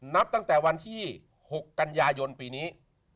นับตั้งแต่วันที่๖กันยายนปีนี้